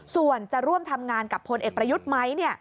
ส่วนจะร่วมทำงานกับพลเอกประยุทธ์ไหม